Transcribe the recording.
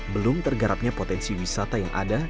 belum tergarapnya potensi wisata yang ada